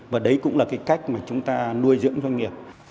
và đấy cũng là cách chúng ta nuôi dưỡng doanh nghiệp